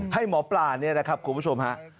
ให้หมอปลาเนี่ยนะครับคุณผู้ชมฮะ